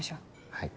はい。